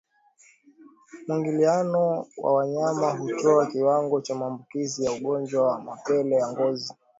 Mwingiliano wa wanyama hutoa kiwango cha maambukizi ya ugonjwa wa mapele ya ngozi